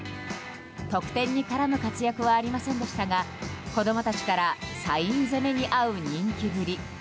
得点に絡む活躍はありませんでしたが子供たちからサイン攻めに遭う人気ぶり。